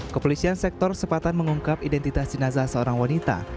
kepolisian sektor sepatan mengungkap identitas jenazah seorang wanita